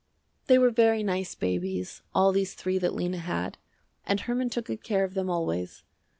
They were very nice babies, all these three that Lena had, and Herman took good care of them always.